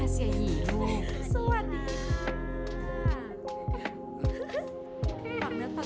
สวัสดีค่ะ